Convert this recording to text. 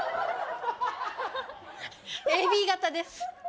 ＡＢ型です